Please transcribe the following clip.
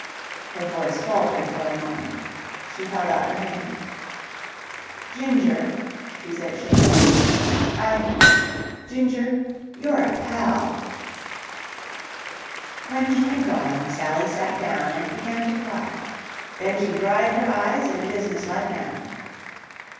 Her voice faltered for a moment. She held out her hand. "Ginger," she said shakily, "I... Ginger, you're a pal." When he had gone. Sally sat down and began to cry. Then she dried her eyes in a business like manner.